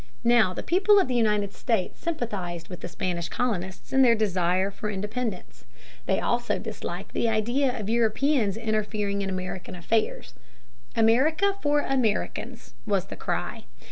Now the people of the United States sympathized with the Spanish colonists in their desire for independence. They also disliked the idea of Europeans interfering in American affairs. "America for Americans," was the cry.